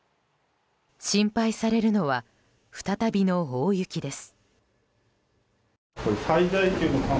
心配されるのは再びの大雪です。